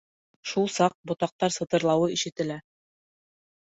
Шул саҡ ботаҡтар сытырлауы ишетелә.